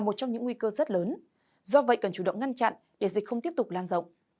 một trong những nguy cơ rất lớn do vậy cần chủ động ngăn chặn để dịch không tiếp tục lan rộng